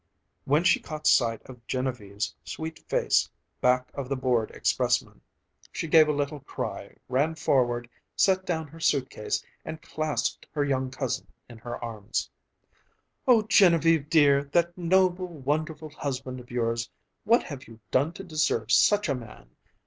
When she caught sight of Genevieve's sweet face back of the bored expressmen, she gave a little cry, ran forward, set down her suitcase and clasped her young cousin in her arms. "Oh Genevieve dear, that noble wonderful husband of yours! What have you done to deserve such a man...